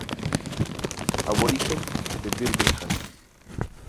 Aborigen de Birmingham.